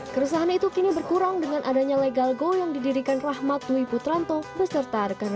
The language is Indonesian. kerusahan itu kini berkurang dengan adanya legalgo yang didirikan rahmat dwi putranto beserta rekan rekannya